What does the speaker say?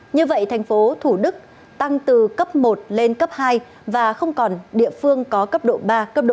như vậy thành phố thủ đức tăng từ cấp một lên cấp hai và không còn địa phương có cấp độ ba cấp độ bốn